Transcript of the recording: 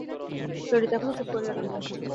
ললিতা এখনো চুপ করিয়া রহিল।